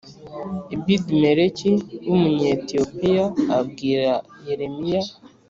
Ebedimeleki w Umunyetiyopiya abwira Yeremiya